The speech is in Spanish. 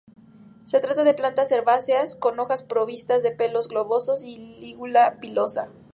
Se trata de plantas herbáceas, con hojas provistas de pelos globosos y lígula pilosa.